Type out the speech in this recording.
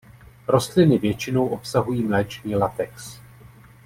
Rostliny většinou obsahují mléčný latex.